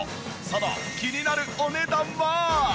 その気になるお値段は？